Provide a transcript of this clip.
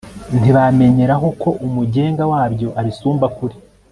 ntibamenyeraho ko umugenga wabyo abisumba kure